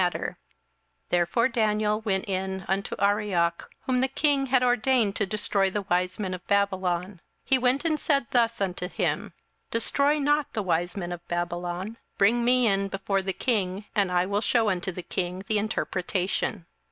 27:002:024 Therefore Daniel went in unto Arioch, whom the king had ordained to destroy the wise men of Babylon: he went and said thus unto him; Destroy not the wise men of Babylon: bring me in before the king, and I will shew unto the king the interpretation.